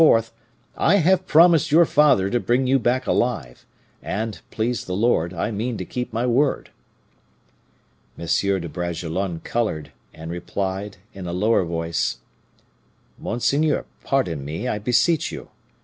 I have promised your father to bring you back alive; and, please the Lord, I mean to keep my word.' "Monseigneur de Bragelonne colored, and replied, in a lower voice, 'Monseigneur, pardon me, I beseech you.